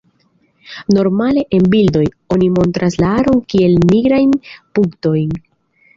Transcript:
Normale en bildoj, oni montras la aron kiel nigrajn punktojn.